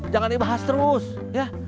jangan dibahas terus ya